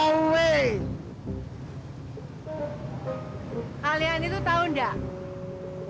kalian itu tau gak